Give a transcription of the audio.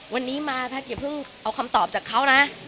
วันนี้พ่อมาอย่าเพิ่งเอาคำตอบของเขา